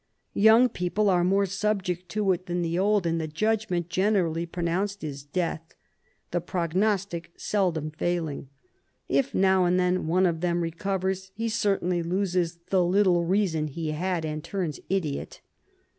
SLEEPING SICKNESS 9 "Young people are more subject to it than the old; and the judgement generally pronounced is death, the prog nostick seldom failing. If now and then one of them recovers, he certainly loses the little reason he had and turns idiot."